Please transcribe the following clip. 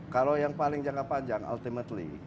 kalau yang paling jangka panjang ultimately